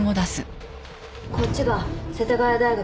こっちが世田谷大学